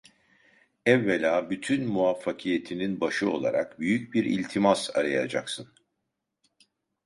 Evvela, bütün muvaffakiyetinin başı olarak büyük bir iltimas arayacaksın…